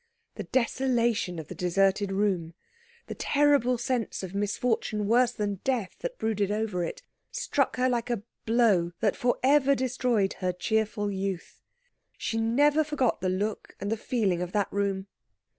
The desolation of the deserted room, the terrible sense of misfortune worse than death that brooded over it, struck her like a blow that for ever destroyed her cheerful youth. She never forgot the look and the feeling of that room.